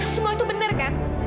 semua itu bener kan